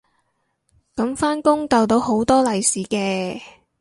噉返工逗到好多利是嘅